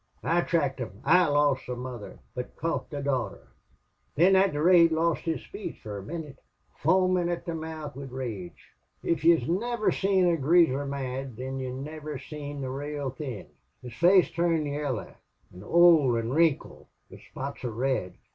'I tracked them. I lost the mother, but caught the daughter.' "Thin thot Durade lost his spache fer a minnit, foamin' at the mouth wid rage. If yez niver seen a greaser mad thin yez niver seen the rale thin'. His face changed yaller an' ould an' wrinkled, wid spots of red.